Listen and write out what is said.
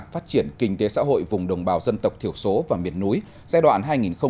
phát triển kinh tế xã hội vùng đồng bào dân tộc thiểu số và miền núi giai đoạn hai nghìn hai mươi một hai nghìn ba mươi